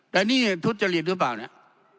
แต่นี่ทุจริตหรือเปล่าเนี่ย